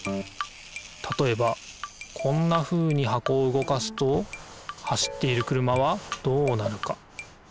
たとえばこんなふうに箱を動かすと走っている車はどうなるか？